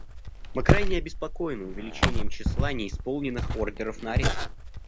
Мы крайне обеспокоены увеличением числа неисполненных ордеров на арест.